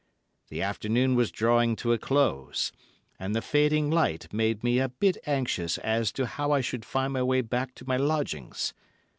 The afternoon was drawing to a close, and the fading light made me a bit anxious as to how I should find my way back to my lodgings.